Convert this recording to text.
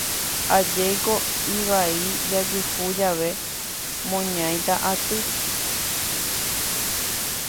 Ajéiko ivai jajuhu jave moñaita aty